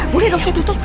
boleh dong saya tutup